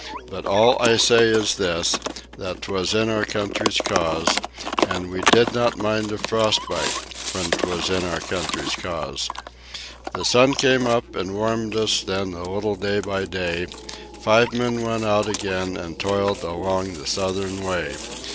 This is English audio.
But all I say is this that 'twas in our country's cause, And we did not mind a frost bite when 'twas in our country's cause. The sun came up and warmed us then a little day by day; Five men went out again and toiled along the southern way.